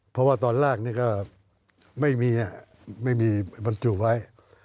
เพราะว่าตอนแรกไม่มีบรรจุไว้